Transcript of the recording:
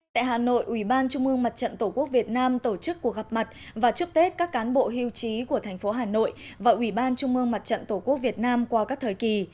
tại hà nội ủy ban trung mương mặt trận tổ quốc việt nam tổ chức cuộc gặp mặt và chúc tết các cán bộ hưu trí của thành phố hà nội và ủy ban trung mương mặt trận tổ quốc việt nam qua các thời kỳ